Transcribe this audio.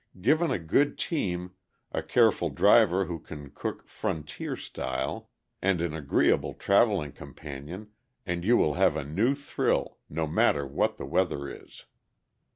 Given a good team, a careful driver who can cook "frontier style," and an agreeable traveling companion, and you will have a new thrill no matter what the weather is.